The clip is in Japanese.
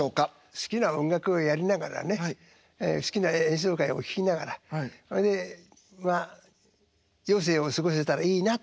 好きな音楽をやりながらね好きな演奏会を聴きながらそれでまあ余生を過ごせたらいいなというふうには思ってますねええ。